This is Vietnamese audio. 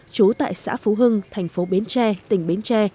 trú tại xã phú hưng thành phố bến tre tỉnh bến tre